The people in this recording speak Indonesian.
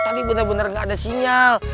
tadi bener bener gak ada sinyal